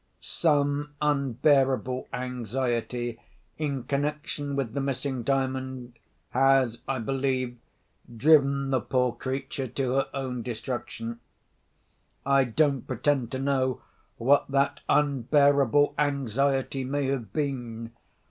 Some unbearable anxiety in connexion with the missing Diamond, has, I believe, driven the poor creature to her own destruction. I don't pretend to know what that unbearable anxiety may have been.